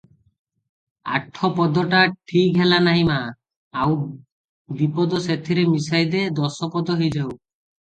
"ଆଠ ପଦଟା ଠିକ୍ ହେଲା ନାହିଁ ମା, ଆଉ ଦିପଦ ସେଥିରେ ମିଶାଇ ଦେ- ଦଶପଦ ହେଇଯାଉ ।